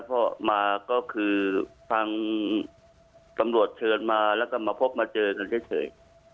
เพราะมาก็คือทางตำรวจเชิญมาแล้วก็มาพบมาเจอกันเฉย